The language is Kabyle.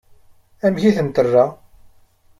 Amek i tent-terra?